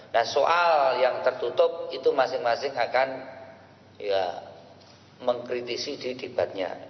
nah soal yang tertutup itu masing masing akan ya mengkritisi didibatnya